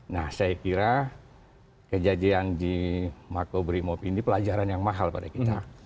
nah saya kira kejadian di makobrimob ini pelajaran yang mahal pada kita